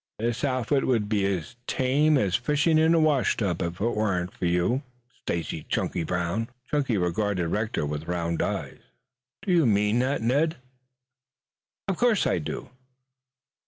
This outfit would be tame as fishing in a washtub if it weren't for you, Stacy Chunky Brown." Chunky regarded Rector with round eyes. "Do you mean that, Ned Rector?" "Of course I do."